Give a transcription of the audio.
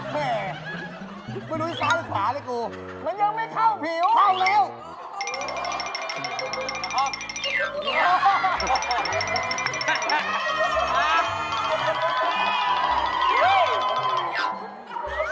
เดี๋ยวนะเราเป็นผู้ใหญ่แล้ว